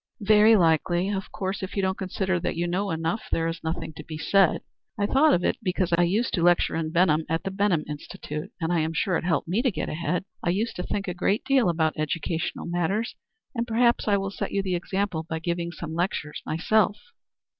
"Very likely. Of course, if you don't consider that you know enough there is nothing to be said. I thought of it because I used to lecture in Benham, at the Benham Institute, and I am sure it helped me to get ahead. I used to think a great deal about educational matters, and perhaps I will set you the example by giving some lectures myself."